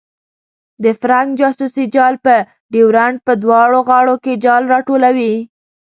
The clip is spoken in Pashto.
د فرنګ جاسوسي جال په ډیورنډ په دواړو غاړو کې جال راټولوي.